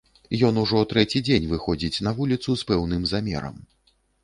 Ён ужо трэці дзень выходзіць на вуліцу з пэўным замерам.